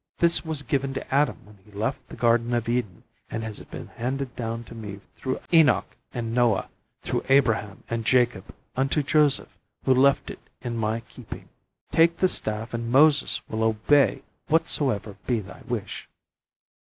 "This was given to Adam when he left the Garden of Eden and has been handed down to me through Enoch and Noah, through Abraham and Jacob unto Joseph who left it in my keeping. Take the staff and Moses will obey whatsoever be thy wish."